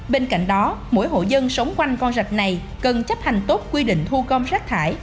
bên cạnh đó mỗi hộ dân sống quanh con rạch này cần chấp hành tốt quy định thu gom rác thải